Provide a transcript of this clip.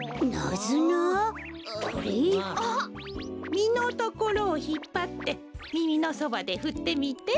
みのところをひっぱってみみのそばでふってみて。